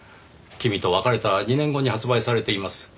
君と別れた２年後に発売されています。